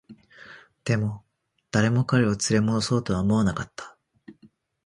でも、誰も彼を連れ戻そうとは思わなかった